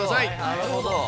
なるほど。